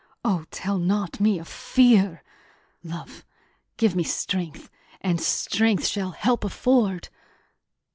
O tell not me of fear! Love, give me strength! and strength shall help afford!"